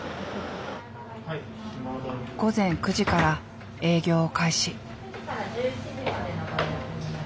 午前９時から営業を開始。